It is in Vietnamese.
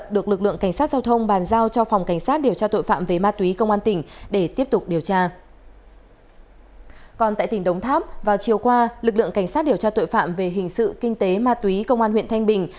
lực lượng cảnh sát điều tra tội phạm về hình sự kinh tế ma túy công an huyện thanh bình